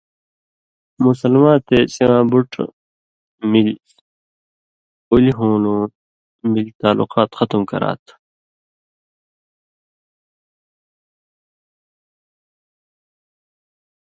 مُسلماں تے سِواں بُٹ مِلیۡ اُلیۡ ہُون٘لؤں مِلیۡ تعلقات ختُم کراتھہ؛